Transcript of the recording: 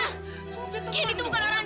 gendy itu benar dong